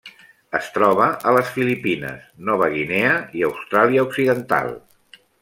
Es troba a les Filipines, Nova Guinea i Austràlia Occidental.